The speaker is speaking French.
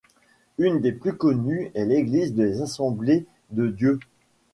Une des plus connues est l'Église des Assemblées de Dieu.